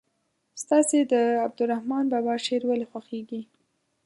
ستاسې د عبدالرحمان بابا شعر ولې خوښیږي.